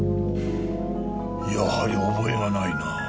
やはり覚えがないな。